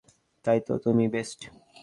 তাই তো, তুমিই বেস্ট।